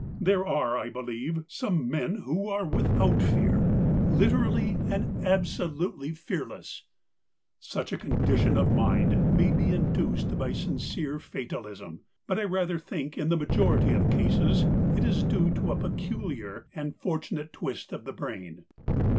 There are, I believe, some men who are without fear — literally and absolutely 124 THE COWARD fearless. Such a condition of mind may be induced by sincere fatalism, but I rather think in the majority of cases it is due to a peculiar and fortunate twist of the brain.